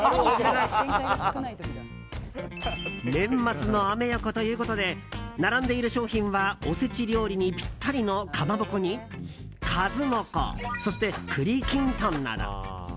年末のアメ横ということで並んでいる商品はおせち料理にぴったりのかまぼこに数の子、そして栗きんとんなど。